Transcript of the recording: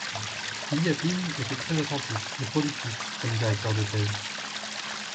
Liapine était très attentif et productif comme directeur de thèse.